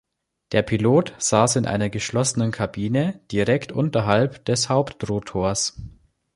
Der Pilot saß in einer geschlossenen Kabine direkt unterhalb des Hauptrotors.